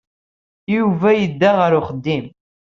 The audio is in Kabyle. Yuba yedda ɣer uxeddim.